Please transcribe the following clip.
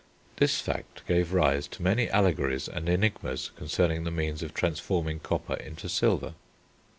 This fact gave rise to many allegories and enigmas concerning the means of transforming copper into silver.